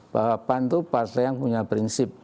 bahwa pan itu partai yang punya prinsip